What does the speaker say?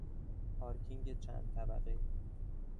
پارکینگ چند طبقه